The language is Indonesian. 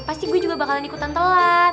pasti gue juga bakalan ikutan telat